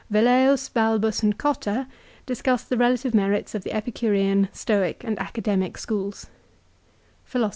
Velleius, Bal Deorum bus, and Cotta discuss the relative merits of the Epicurean, Stoic, and Academic Schools.